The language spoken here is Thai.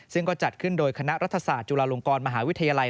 ซึ่งก็จัดขึ้นโดยคณะรัฐศาสตร์จุฬาลงกรมหาวิทยาลัย